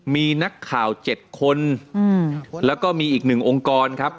มีนักข่าว๗คนแล้วก็มีอีก๑องค์กรครับ